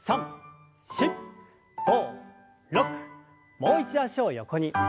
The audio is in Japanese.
もう一度脚を横に。